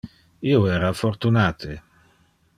Io era fortunate.